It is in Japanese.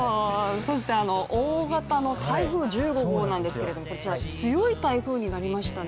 そして大型の台風１５号なんですけれども、こちら、強い台風になりましたね。